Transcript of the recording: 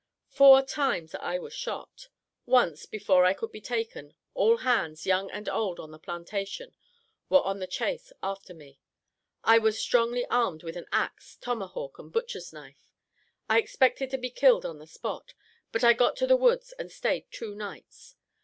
"Four times I was shot. Once, before I would be taken, all hands, young and old on the plantation were on the chase after me. I was strongly armed with an axe, tomahawk, and butcher knife. I expected to be killed on the spot, but I got to the woods and stayed two days.